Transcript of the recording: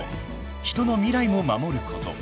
［人の未来も守ること］